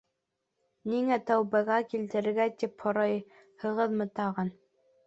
Ниңә тәүбәгә килергә тип һорайһығыҙмы тағын?